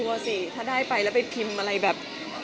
สิถ้าได้ไปแล้วไปพิมพ์อะไรแบบ